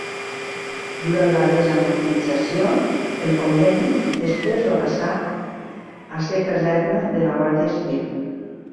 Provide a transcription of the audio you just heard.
Durant la desamortització el convent després va passar a ser caserna de la Guàrdia Civil.